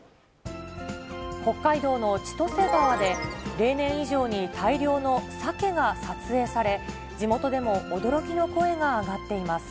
北海道の千歳川で、例年以上に大量のサケが撮影され、地元でも驚きの声が上がっています。